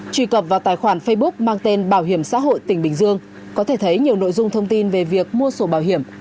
truy cập vào tài khoản facebook mang tên bảo hiểm xã hội tỉnh bình dương có thể thấy nhiều nội dung thông tin về việc mua sổ bảo hiểm